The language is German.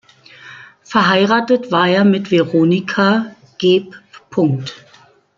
Verheiratet war er mit Veronica geb.